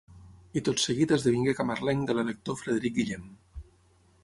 I tot seguit esdevingué camarlenc de l'Elector Frederic Guillem.